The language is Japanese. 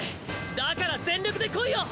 だから全力でこいよ！